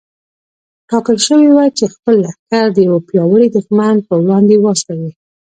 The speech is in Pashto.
ټاکل شوې وه چې خپل لښکر د يوه پياوړي دښمن پر وړاندې واستوي.